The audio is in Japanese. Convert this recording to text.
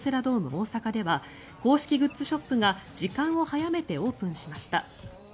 大阪では公式グッズショップが時間を早めてオープンしました。